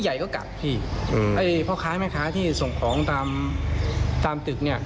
แล้วก็ที่นี่มันก็นอนใต้ท้องรถเนี่ย